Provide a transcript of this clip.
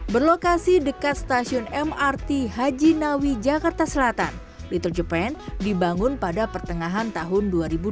berlokasi dekat stasiun mrt haji nawi jakarta selatan little japan dibangun pada pertengahan tahun dua ribu dua puluh